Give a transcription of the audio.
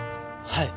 はい。